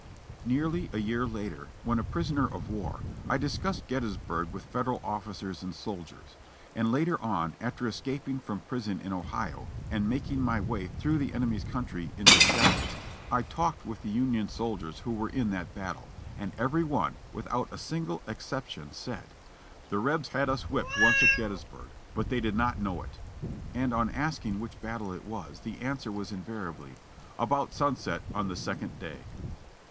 Nearly a year later, when a prisoner of war, I discussed Gettys burg with Federal officers and soldiers ; and later on, after escap ing from prison in Ohio and making my way through the enemy's country in disguise, I talked with the Union soldiers who were 408 JOHNNY REB AND BILLY YANK in that battle, and every one, without a single exception, said: "The Rebs had us whipped once at Gettysburg, but they did not know it," and on asking which battle it was, the answer was in variably, "about sunset on the second day."